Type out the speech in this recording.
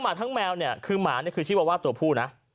แบบเนี่ยคือฉี่วาวาสตัวผู้นะ